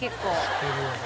してるよね。